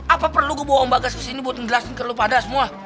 apa perlu gua bawa om bagas kesini buat njelasin ke lu pada semua